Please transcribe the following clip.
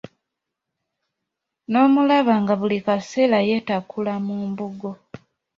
N'omulaba nga buli kaseera yeetakula mu mbugo.